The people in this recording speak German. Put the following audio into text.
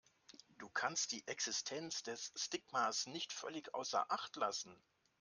Du kannst die Existenz des Stigmas nicht völlig außer Acht lassen.